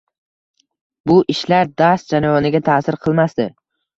Bu ishlar dars jarayoniga ta’sir qilmasdi.